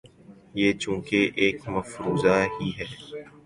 یہ چونکہ ایک مفروضہ ہی ہے۔